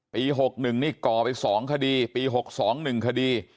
๖๑นี่ก่อไป๒คดีปี๖๒๑คดี